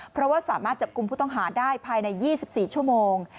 เพราะว่าสามารถจับกลุ่มผู้ต้องหาได้ภายใน๒๔ชั่วโมง